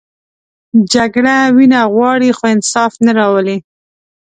جګړه وینه غواړي، خو انصاف نه راولي